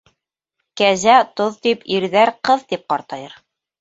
Кәзә «тоҙ» тип, ирҙәр «ҡыҙ» тип ҡартайыр.